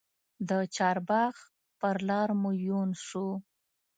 د چارباغ پر لار مو یون سو